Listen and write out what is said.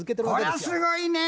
こりゃすごいね！